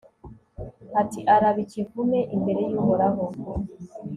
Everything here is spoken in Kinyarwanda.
ati arabe ikivume imbere y'uhoraho